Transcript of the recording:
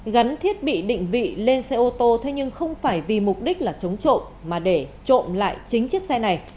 gắn thiết bị định vị lên xe ô tô thế nhưng không phải vì mục đích là chống trộm mà để trộm lại chính chiếc xe này